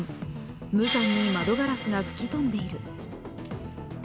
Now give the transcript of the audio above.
無惨に窓ガラスが吹き飛んでいる。